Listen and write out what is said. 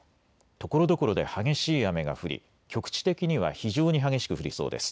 ところどころで激しい雨が降り局地的には非常に激しく降りそうです。